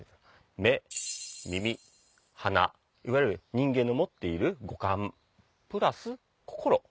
眼耳鼻いわゆる人間の持っている五感プラス心。